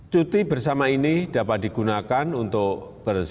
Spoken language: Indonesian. cuti bersama ini dapat digunakan untuk bersama